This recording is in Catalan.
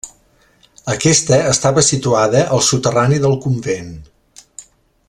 Aquesta estava situada al soterrani del convent.